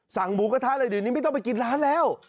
สั่งหมูกระทะในดืนนี้ไม่ต้องไปกินร้านแล้ว